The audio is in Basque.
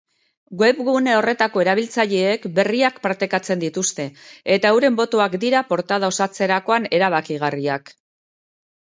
Webgune horretako erabiltzaileek berriak partekatzen dituzte eta euren botoak dira portada osatzerakoan erabakigarriak.